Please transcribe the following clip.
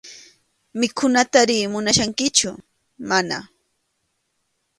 ¿Mikhuytari munachkankichu?- Mana.